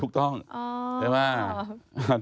ถูกต้องถูกต้อง